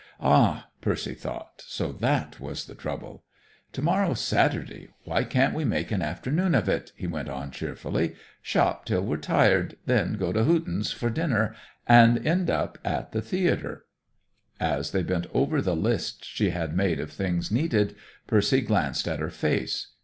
"Ah," Percy thought, "so that was the trouble!" "To morrow's Saturday; why can't we make an afternoon of it?" he went on cheerfully. "Shop till we're tired, then go to Houtin's for dinner, and end up at the theater." As they bent over the lists she had made of things needed, Percy glanced at her face.